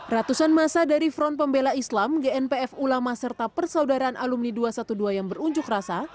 ratusan masa dari front pembela islam gnpf ulama serta persaudaraan alumni dua ratus dua belas yang berunjuk rasa